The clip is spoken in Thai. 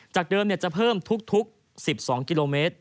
เดิมจะเพิ่มทุก๑๒กิโลเมตร